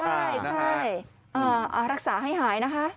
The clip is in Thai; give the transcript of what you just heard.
ใช่รักษาให้หายนะคะ